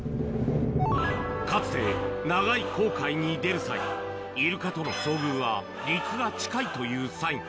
かつて、長い航海に出る際、イルカとの遭遇は、陸が近いというサイン。